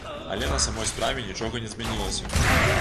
Але на самой справе нічога не змянілася.